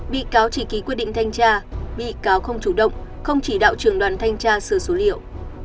bị cáo chỉ ký quyết định thanh tra bị cáo không chủ động không chỉ đạo trường đoàn thanh tra sửa số liệu